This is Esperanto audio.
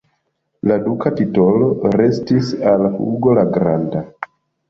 La duka titolo restis al Hugo la Granda.